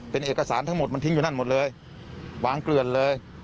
เป็นเอกสารทั้งหมดมันทิ้งอยู่นั่นหมดเลยวางเกลือนเลย